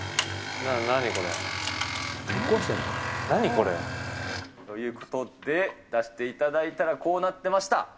何、これ？ということで、出していただいたらこうなってました。